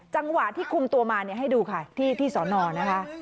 จังหวะที่คุมตัวมาให้ดูค่ะที่สอนอนะคะ